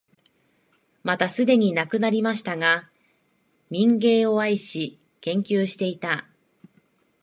またすでに亡くなりましたが、民藝を愛し、研究していた、